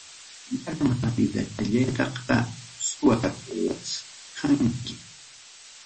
Warma vidachallayta suwarquwasqanki.